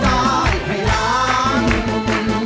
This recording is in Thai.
ผักปุ้งร้อง